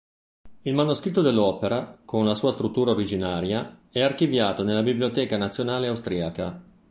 Il manoscritto dell’opera, con la sua struttura originaria, è archiviato nella Biblioteca Nazionale Austriaca.